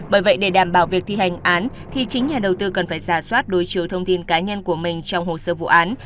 bởi vậy để đảm bảo việc thi hành án thì chính nhà đầu tư cần phải giả soát đối chiếu thông tin cá nhân của mình trong hồ sơ vụ án